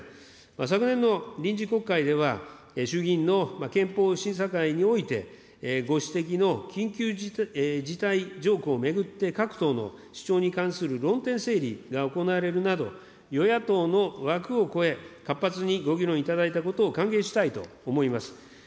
昨年の臨時国会では、衆議院の憲法審査会において、ご指摘の緊急事態条項を巡って、各党の主張に関する論点整理が行われるなど、与野党の枠を超え、活発にご議論いただいたことを歓迎したいと思います。